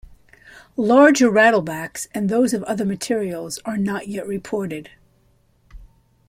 Larger rattlebacks, and those of other materials, are not yet reported.